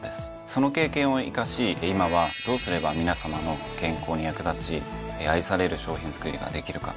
その経験を生かし今はどうすれば皆さまの健康に役立ち愛される商品作りができるか。